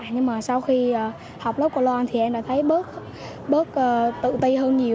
nhưng mà sau khi học lớp của loan thì em đã thấy bớt tự ti hơn nhiều